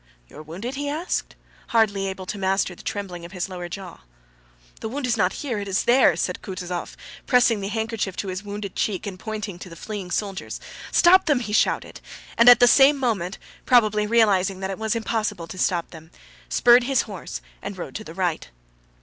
"You are wounded?" he asked, hardly able to master the trembling of his lower jaw. "The wound is not here, it is there!" said Kutúzov, pressing the handkerchief to his wounded cheek and pointing to the fleeing soldiers. "Stop them!" he shouted, and at the same moment, probably realizing that it was impossible to stop them, spurred his horse and rode to the right.